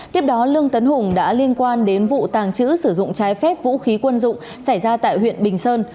tiếp đó lương tấn hùng đã liên quan đến vụ tàng trữ sử dụng trái phép vũ khí quân dụng xảy ra tại huyện bình sơn